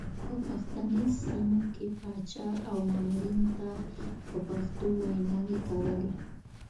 په پښتني سیمو کې پاچا او مامورینو ته په پښتو ویناوې کولې.